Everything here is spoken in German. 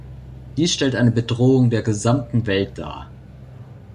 Dies stellt eine Bedrohung der gesamten Welt dar.